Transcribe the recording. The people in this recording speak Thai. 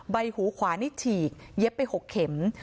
ใบหูขวานี่ฉีกเย็บไป๖เข็ม